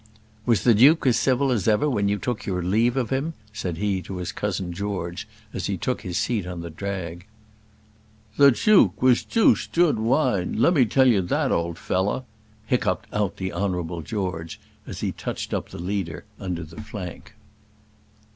"Was the duke as civil as ever when you took your leave of him?" said he to his cousin George, as he took his seat on the drag. "The juke was jeuced jude wine lem me tell you that, old fella," hiccupped out the Honourable George, as he touched up the leader under the flank.